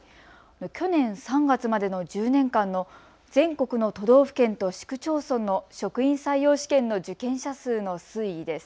去年３月までの１０年間の全国の都道府県と市区町村の職員採用試験の受験者数の推移です。